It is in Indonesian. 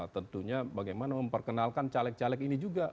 tentunya bagaimana memperkenalkan caleg caleg ini juga